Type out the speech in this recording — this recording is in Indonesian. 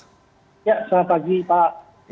ya selamat pagi pak